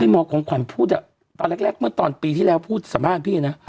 พี่มองความพูดอ่ะตอนแรกตอนปีที่แล้วพูดสำหรับพี่นะ